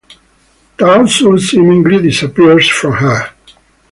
Tae-su seemingly disappears from her.